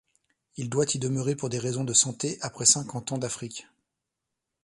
Il doit y demeurer pour des raisons de santé après cinquante ans d' Afrique.